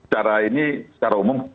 cara ini secara umum